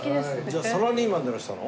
じゃあサラリーマンでらしたの？